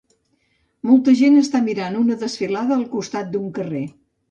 Molta gent està mirant una desfilada al costat d'un carrer.